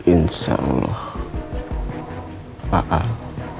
insya allah pak al